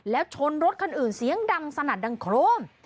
แล้วชนรถคันอื่นเสียงดังสนั่นดังโครม